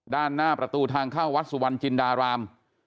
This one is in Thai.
ด้านหน้าประตูทางเข้าวัดสุวรรณจินดาราม